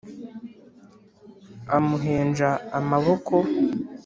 Amuhenja amaboko